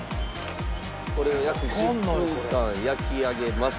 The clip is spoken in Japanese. これを約１０分間焼き上げます。